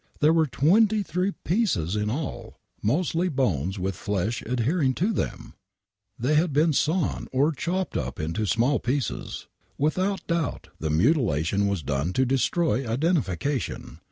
There were twenty three pieces in all ! Mostly bones with flesh adhering to them ! They had been sawn or chopped up into small pieces ! Without doubt the mutilation was done to destroy identifi cation